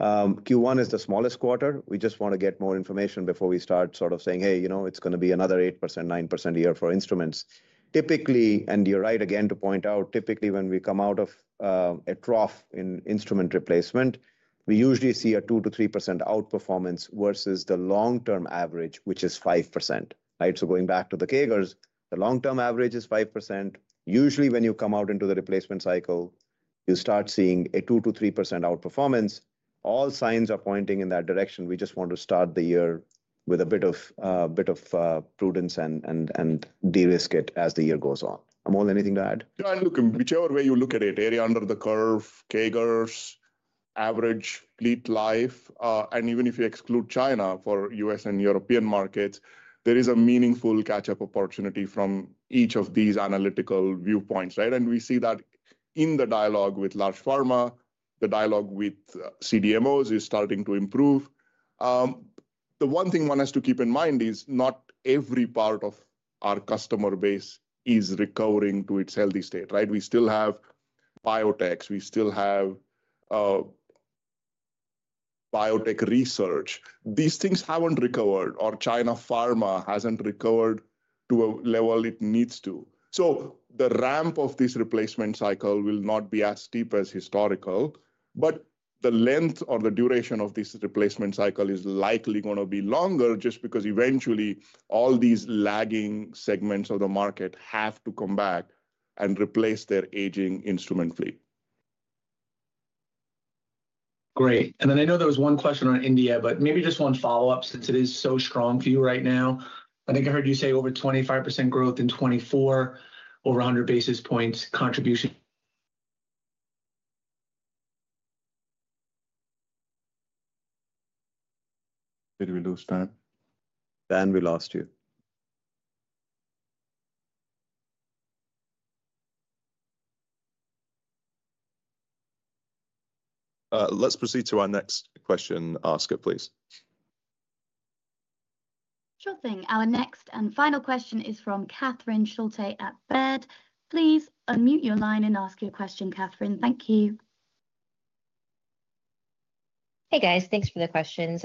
Q1 is the smallest quarter. We just want to get more information before we start sort of saying, "Hey, you know it's going to be another 8%-9% a year for instruments." Typically, and you're right again to point out, typically when we come out of a trough in instrument replacement, we usually see a 2%-3% outperformance versus the long-term average, which is 5%, right? So going back to the CAGRs, the long-term average is 5%. Usually, when you come out into the replacement cycle, you start seeing a 2%-3% outperformance. All signs are pointing in that direction. We just want to start the year with a bit of prudence and de-risk it as the year goes on. Amol, anything to add? Yeah. Look, whichever way you look at it, area under the curve, CAGRs, average, lead life, and even if you exclude China for U.S. and European markets, there is a meaningful catch-up opportunity from each of these analytical viewpoints, right? We see that in the dialogue with large pharma, the dialogue with CDMOs is starting to improve. The one thing one has to keep in mind is not every part of our customer base is recovering to its healthy state, right? We still have biotech. We still have biotech research. These things haven't recovered or China pharma hasn't recovered to a level it needs to. So the ramp of this replacement cycle will not be as steep as historical, but the length or the duration of this replacement cycle is likely going to be longer just because eventually all these lagging segments of the market have to come back and replace their aging instrument fleet. Great. And then I know there was one question on India, but maybe just one follow-up since it is so strong for you right now. I think I heard you say over 25% growth in 2024, over 100 basis points contribution. Did we lose Dan? Dan, we lost you. Let's proceed to our next question. Ask it, please. Sure thing. Our next and final question is from Catherine Schulte at Baird. Please unmute your line and ask your question, Catherine. Thank you. Hey, guys. Thanks for the questions.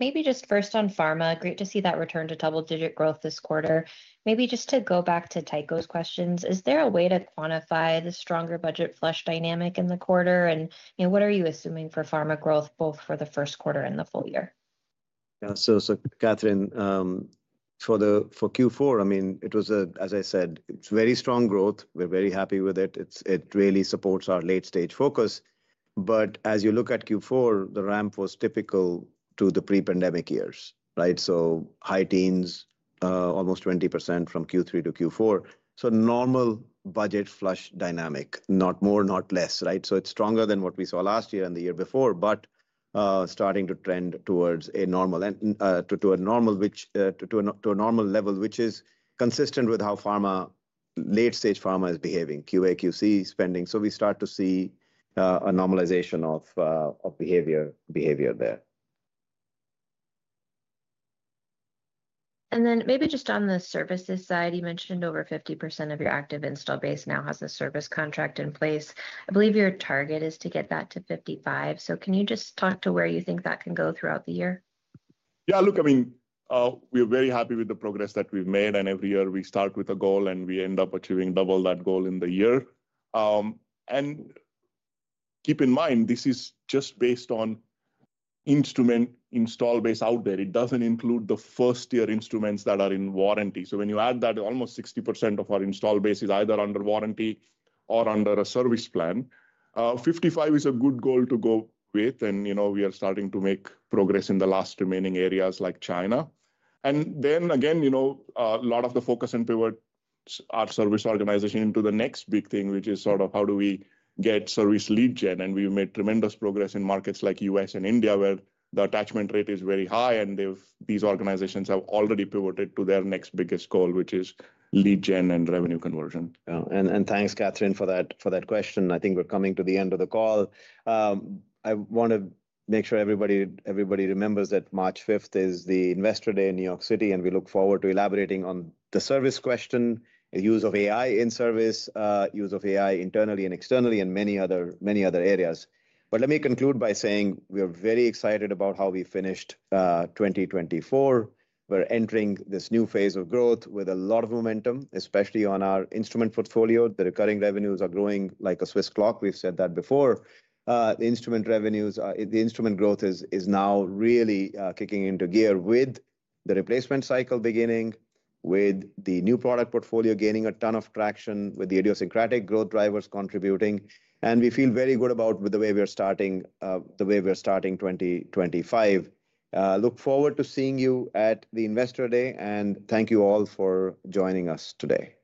Maybe just first on pharma, great to see that return to double-digit growth this quarter. Maybe just to go back to Tycho's questions, is there a way to quantify the stronger budget flush dynamic in the quarter? And what are you assuming for pharma growth both for the first quarter and the full year? Yeah. So Catherine, for Q4, I mean, it was, as I said, it's very strong growth. We're very happy with it. It really supports our late-stage focus. But as you look at Q4, the ramp was typical to the pre-pandemic years, right? So high teens, almost 20% from Q3 to Q4. So normal budget flush dynamic, not more, not less, right? So it's stronger than what we saw last year and the year before, but starting to trend towards a normal level, which is consistent with how pharma, late-stage pharma is behaving, QAQC spending. So we start to see a normalization of behavior there. And then maybe just on the services side, you mentioned over 50% of your active install base now has a service contract in place. I believe your target is to get that to 55%. So can you just talk to where you think that can go throughout the year? Yeah. Look, I mean, we're very happy with the progress that we've made. And every year we start with a goal and we end up achieving double that goal in the year. And keep in mind, this is just based on instrument install base out there. It doesn't include the first-year instruments that are in warranty, so when you add that, almost 60% of our installed base is either under warranty or under a service plan. 55% is a good goal to go with, and we are starting to make progress in the last remaining areas like China, and then again, a lot of the focus and pivot our service organization into the next big thing, which is sort of how do we get service lead gen, and we've made tremendous progress in markets like U.S. and India where the attachment rate is very high, and these organizations have already pivoted to their next biggest goal, which is lead gen and revenue conversion. Yeah, and thanks, Catherine, for that question. I think we're coming to the end of the call. I want to make sure everybody remembers that March 5th is the Investor Day in New York City, and we look forward to elaborating on the service question, the use of AI in service, use of AI internally and externally, and many other areas, but let me conclude by saying we are very excited about how we finished 2024. We're entering this new phase of growth with a lot of momentum, especially on our instrument portfolio. The recurring revenues are growing like a Swiss clock. We've said that before. The instrument revenues, the instrument growth is now really kicking into gear with the replacement cycle beginning, with the new product portfolio gaining a ton of traction, with the idiosyncratic growth drivers contributing, and we feel very good about the way we're starting 2025. Look forward to seeing you at the Investor Day. Thank you all for joining us today.